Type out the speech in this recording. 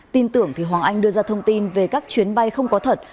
tin tưởng thì hoàng anh đưa ra thông tin về các chuyến bay không có thật